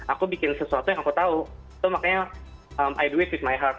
aku bikin sesuatu yang aku tahu itu makanya i do it with my heart